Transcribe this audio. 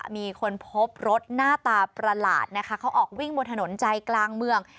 มีคนพบรถหน้าตาประหลาดนะคะเขาออกวิ่งบนถนนใจกลางเมือง